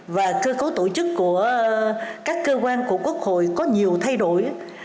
và cơ cấu tổ chức của các cơ quan của quốc hội có nhiều thay đổi